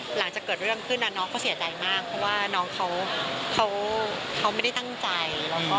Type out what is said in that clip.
หลังจากเกิดเรื่องขึ้นน้องเขาเสียใจมากเพราะว่าน้องเขาไม่ได้ตั้งใจ